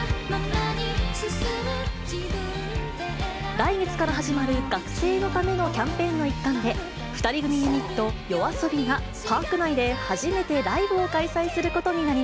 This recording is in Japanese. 来月から始まる学生のためのキャンペーンの一環で、２人組ユニット、ＹＯＡＳＯＢＩがパーク内で初めてライブを開催することになり